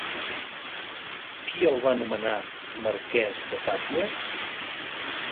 Qui el va nomenar marquès de Tàpies?